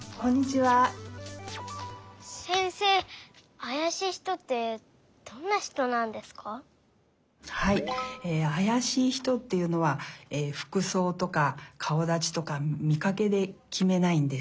はいあやしい人っていうのはふくそうとかかおだちとかみかけできめないんです。